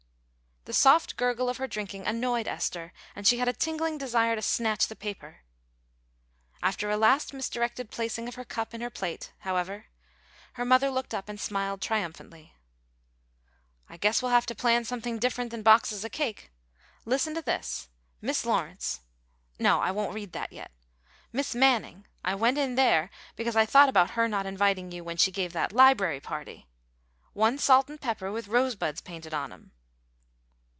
The soft gurgle of her drinking annoyed Esther, and she had a tingling desire to snatch the paper. After a last misdirected placing of her cup in her plate, however, her mother looked up and smiled triumphantly. "I guess we'll have to plan something different than boxes of cake. Listen to this; Mis' Lawrence No, I won't read that yet. Mis' Manning I went in there because I thought about her not inviting you when she gave that library party one salt and pepper with rose buds painted on 'em."